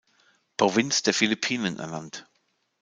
Provinz der Philippinen ernannt.